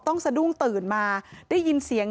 สะดุ้งตื่นมาได้ยินเสียง